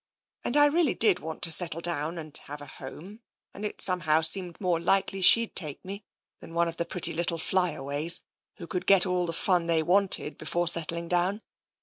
And I really did want to settle down and have a home, and it somehow seemed more likely she'd take me than one of the pretty little fly aways who could get all the fun they wanted before settling down.